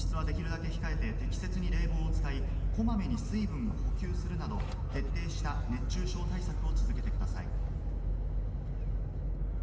外出はできるだけ控えて、適切に冷房を使い、こまめに水分を補給するなど、徹底した熱中症対策を続けてください。